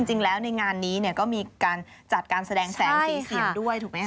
จริงแล้วในงานนี้เนี่ยก็มีการจัดการแสดงแสงสีเสียงด้วยถูกไหมคะ